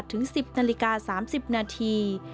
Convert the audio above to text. ถึง๑๐นาฬิกา๓๐นาที